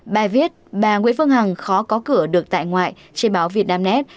bài viết bà nguyễn phương hằng khó có cửa được tại ngoại trên báo vietnamnet